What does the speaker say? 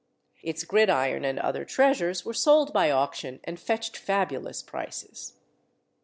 Its gridiron and other treasures were sold by auction, and fetched fabulous prices.